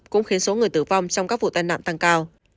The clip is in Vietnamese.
cũng khiến số người tử vong trong các vụ tai nạn tăng cao